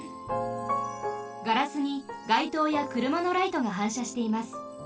ガラスにがいとうやくるまのライトがはんしゃしています。